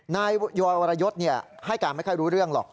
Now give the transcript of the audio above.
นายยอยวรยศให้การไม่ค่อยรู้เรื่องหรอก